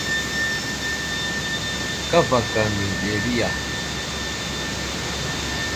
Kavaka ŋgeŋderiya.